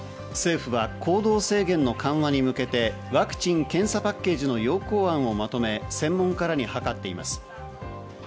政府は行動制限の緩和に向けてワクチン・検査パッケージの要綱案をまとめ、専門家らに諮っています。